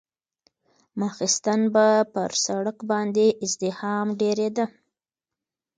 ماخستن به پر سړک باندې ازدحام ډېرېده.